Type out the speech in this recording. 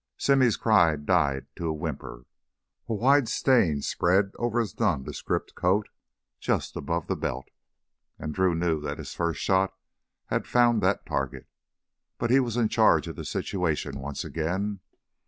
Simmy's cry died to a whimper. A wide stain spread over his nondescript coat just above the belt, and Drew knew that his first shot had found that target. But he was in charge of the situation once again.